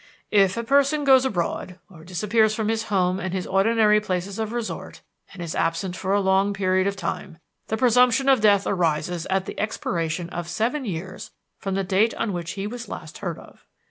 "If a person goes abroad or disappears from his home and his ordinary places of resort and is absent for a long period of time, the presumption of death arises at the expiration of seven years from the date on which he was last heard of.